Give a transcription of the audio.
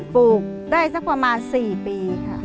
ปลูกได้สักประมาณ๔ปีค่ะ